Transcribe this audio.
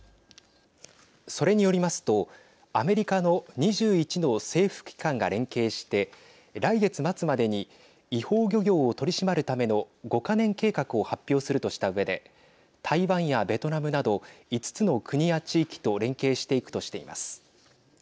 それによりますとアメリカの２１の政府機関が連携して来月末までに違法漁業を取り締まるための５か年計画を発表するとしたうえで台湾やベトナムなど５つの国や地域と連携していくとしています。